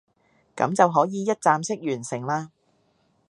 噉就可以一站式完成啦